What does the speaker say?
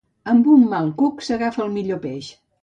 Amb un mal cuc s'agafa el millor peix.